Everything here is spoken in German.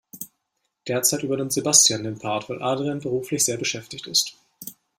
Derzeit übernimmt Sebastian den Part, weil Adrian beruflich sehr beschäftigt ist.